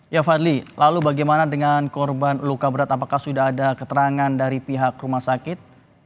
ya fadli lalu bagaimana dengan korban luka berat apakah sudah ada keterangan dari pihak rumah sakit